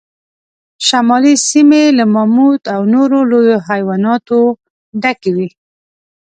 شمالي سیمې له ماموت او نورو لویو حیواناتو ډکې وې.